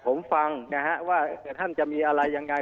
ผมฟังนะฮะว่าท่านจะมีอะไรยังไง